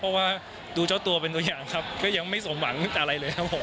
เพราะว่าดูเจ้าตัวเป็นตัวอย่างครับก็ยังไม่สมหวังอะไรเลยครับผม